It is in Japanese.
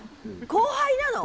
後輩なの？